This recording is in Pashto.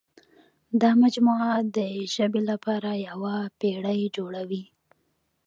دا مجموعه د ژبې لپاره یوه پېړۍ جوړوي.